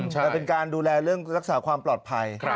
แต่เป็นการดูแลเรื่องรักษาความปลอดภัย